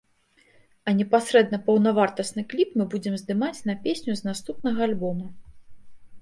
А непасрэдна паўнавартасны кліп мы будзем здымаць на песню з наступнага альбома.